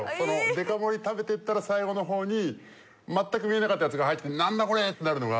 でか盛り食べていったら最後の方に全く見えなかったやつが入ってて何だこれ！？ってなるのが。